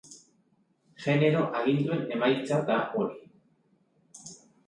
Genero aginduen emaitza da hori.